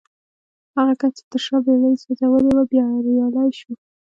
هغه کس چې تر شا بېړۍ يې سوځولې وې بريالی شو.